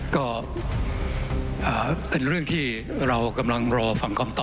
ก็เป็นเรื่องที่เรากำลังรอฟังคำตอบ